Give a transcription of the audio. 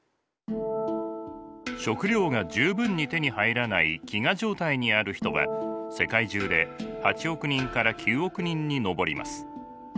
食料が十分に手に入らない飢餓状態にある人は世界中で８億人から９億人に上ります。